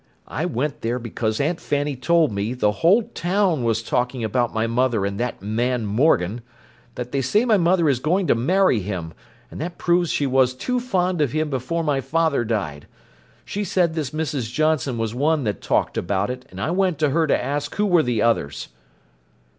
"I went there because Aunt Fanny told me the whole town was talking about my mother and that man Morgan—that they say my mother is going to marry him and that proves she was too fond of him before my father died—she said this Mrs. Johnson was one that talked about it, and I went to her to ask who were the others."